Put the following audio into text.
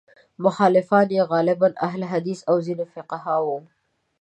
مخالفان یې غالباً اهل حدیث او ځینې فقیهان وو.